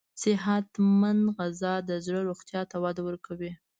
صحتمند غذا د زړه روغتیا ته وده ورکوي.